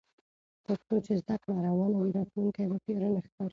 تر څو چې زده کړه روانه وي، راتلونکی به تیاره نه ښکاري.